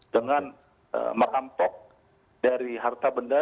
dengan merampok dari harta benda